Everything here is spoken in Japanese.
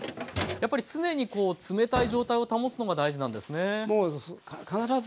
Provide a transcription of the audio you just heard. やっぱり常にこう冷たい状態を保つのが大事なんですね。